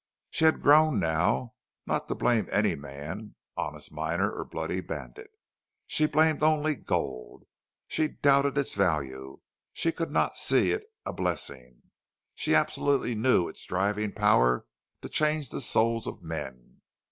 She had grown now not to blame any man, honest miner or bloody bandit. She blamed only gold. She doubted its value. She could not see it a blessing. She absolutely knew its driving power to change the souls of men.